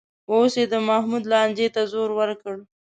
اوس یې د محمود لانجې ته زور ورکړ